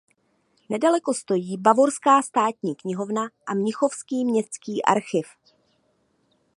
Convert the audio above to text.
Nedaleko stojí Bavorská státní knihovna a Mnichovský městský archiv.